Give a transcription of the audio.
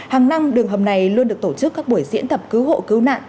hàng năm đường hầm này luôn được tổ chức các buổi diễn tập cứu hộ cứu nạn